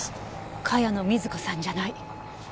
茅野瑞子さんじゃない。